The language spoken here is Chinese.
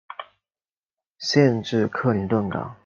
县治克林顿港。